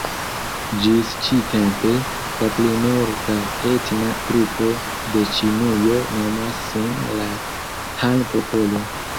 Ĝis ĉi-tempe, la plimulta etna grupo de Ĉinujo nomas sin la "Han-popolo".